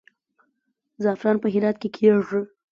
زعفران په هرات کې کیږي